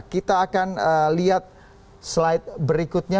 kita akan lihat slide berikutnya